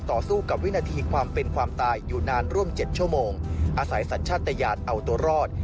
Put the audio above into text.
สู้กับวินาทีความเป็นความตายอยู่นานร่วม๗ชั่วโมงอาศัยสัญชาติยานเอาตัวรอด